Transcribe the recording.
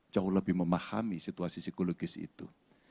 jauh lebih memahami situasi psikologis itu